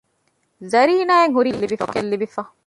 ޒަރީނާ އަށް ހުރީ ޝޮކެއް ލިބިފަ